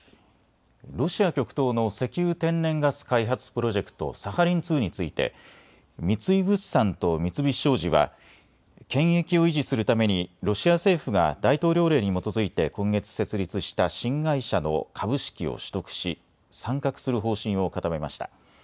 ロシア極東の石油・天然ガス開発プロジェクト、サハリン２について三井物産と三菱商事は権益を維持するためにロシア政府が大統領令に基づいて今月設立した新会社の株式を取得し参画する方針を固めました。